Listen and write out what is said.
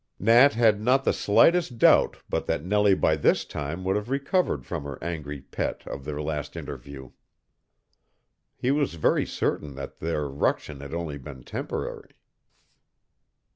Nat had not the slightest doubt but that Nellie by this time would have recovered from her angry pet of their last interview. He was very certain that their ruction had only been temporary.